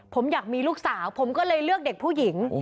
ผมอยากมีลูกสาวผมก็เลยเลือกเด็กผู้หญิง